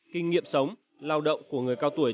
kinh nghiệm sống lao động của người cao tuổi